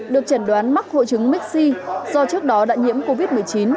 được chẩn đoán mắc hội chứng mixi do trước đó đã nhiễm covid một mươi chín